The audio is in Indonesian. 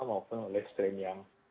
maupun oleh strain yang